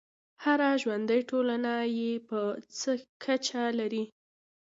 هره ژوندی ټولنه یې په څه کچه لري.